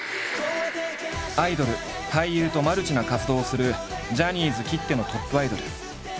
アイドル俳優とマルチな活動をするジャニーズきってのトップアイドル。